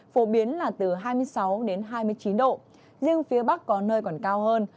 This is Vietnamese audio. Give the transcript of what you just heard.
phổ biến là từ hai mươi sáu đến hai mươi chín độ riêng phía bắc có nơi còn cao hơn